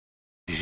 え？